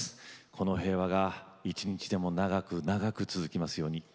この平和が一日でも長く長く続きますように。